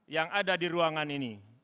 yang ada di ruangan ini